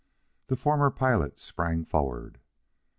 The former pilot sprang forward.